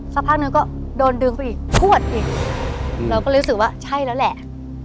สักพักนึงก็โดนดึงเขาอีกพวดอีกเราก็รู้สึกว่าใช่แล้วแหละ